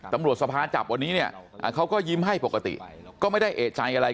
ตำรวจสภาจับวันนี้เนี่ยเขาก็ยิ้มให้ปกติก็ไม่ได้เอกใจอะไร